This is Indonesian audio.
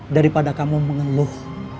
daripada kamu mengeluh